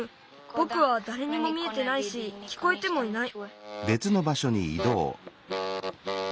ぼくはだれにも見えてないしきこえてもいない。